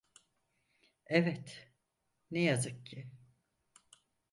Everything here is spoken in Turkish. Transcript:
Evet, ne yazık ki.